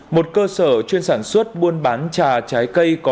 một cơ sở chuyên sản xuất buôn bán trà trái cây có tổng trọng lượng